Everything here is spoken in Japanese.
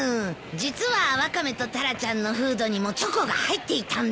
実はワカメとタラちゃんのフードにもチョコが入っていたんだ。